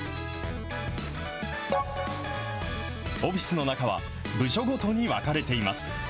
オフィス中は、部署ごとに分かれています。